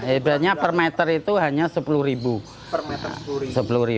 ibranya per meter itu hanya rp sepuluh